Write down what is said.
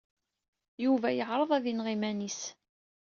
Yuba yeɛreḍ ad yenɣ iman-is.